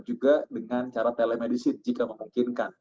juga dengan cara telemedicine jika memungkinkan